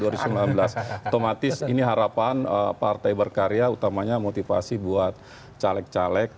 otomatis ini harapan partai berkarya utamanya motivasi buat caleg caleg